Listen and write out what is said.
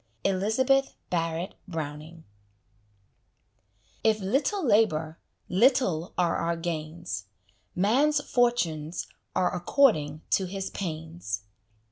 Elizabeth Barrett Browning If little labour, little are our gains; Man's fortunes are according to his pains.